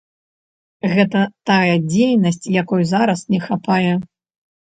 Гэта тая дзейнасць, якой зараз не хапае.